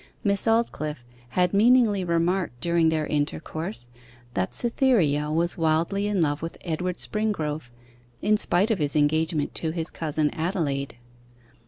Miss Aldclyffe had meaningly remarked during their intercourse, that Cytherea was wildly in love with Edward Springrove, in spite of his engagement to his cousin Adelaide.